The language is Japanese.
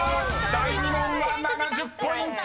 ［第２問は７０ポイント！